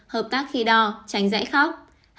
một hợp tác khi đo tránh dãy khóc